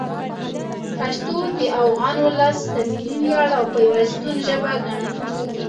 پښتو د افغان ولس د ملي ویاړ او پیوستون ژبه ګڼل کېږي.